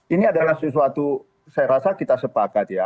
ini adalah sesuatu saya rasa kita sepakat ya